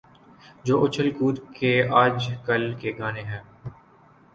جو اچھل کود کے آج کل کے گانے ہیں۔